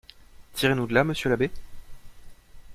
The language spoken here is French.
Tirez-nous de là, monsieur l'abbé?